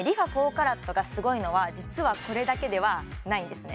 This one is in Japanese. ＣＡＲＡＴがすごいのは実はこれだけではないんですね